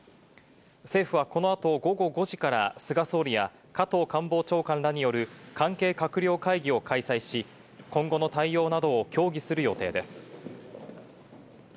政府はこのあと午後５時から、菅総理や加藤官房長官らによる関係閣僚会議を開催し、今後の対応などを協議する予定です。